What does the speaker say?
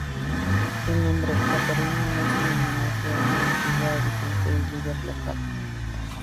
El nombre "Catarina" es un homenaje a una antigua habitante y líder local.